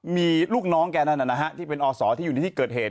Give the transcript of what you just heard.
มีลูกน้องแกนั่นที่เป็นอศที่อยู่ในที่เกิดเหตุ